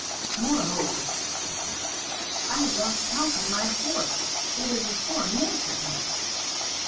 "Moreover," said Ralph, "I have lost Falcon my horse; it is a sore miss of him."